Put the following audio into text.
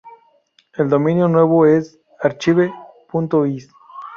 El dominio nuevo es "archive.is".